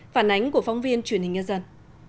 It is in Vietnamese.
phản ánh của phóng viên truyền hình nhà dân